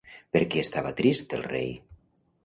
Per què estava trist el rei?